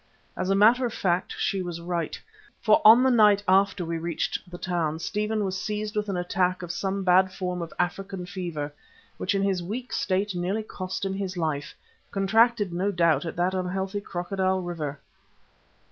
As a matter of fact she was right, for on the night after we reached the town, Stephen was seized with an attack of some bad form of African fever, which in his weak state nearly cost him his life, contracted, no doubt, at that unhealthy Crocodile Water.